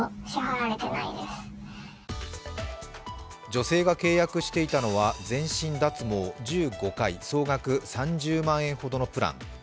女性が契約していたのは全身脱毛１５回総額３０万円ほどのプラン。